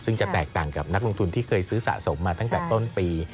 ซึ่งจะแตกต่างกับนักลงทุนที่เคยซื้อสะสมมาตั้งแต่ต้นปี